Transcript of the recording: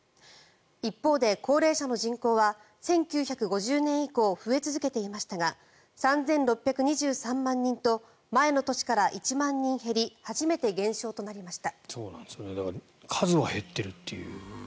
一方で、高齢者の人口は１９５０年以降増え続けていましたが３６２３万人と前の年から１万人減り初めて減少となりました。